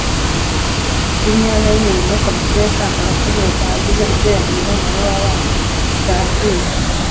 rw imyanya y imirimo komisiyo yasanze abakozi badahagije ugereranyije n umubare w abana cyakira